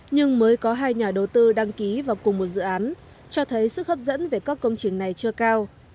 nhưng mới có hai nhà đầu tư đăng ký vào cùng một dự án cho thấy sức hấp dẫn về các công trình này chưa cao